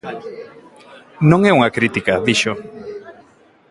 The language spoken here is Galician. "Non é unha crítica", dixo.